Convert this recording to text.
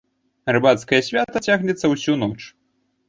Рыбацкае свята цягнецца ўсю ноч.